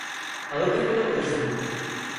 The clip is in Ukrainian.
Але ти подобаєшся мені!